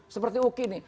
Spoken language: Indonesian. seperti uki ini